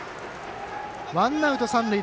ワンアウト、三塁。